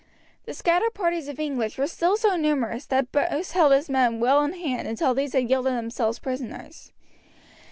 The scattered parties of English were still so numerous that Bruce held his men well in hand until these had yielded themselves prisoners.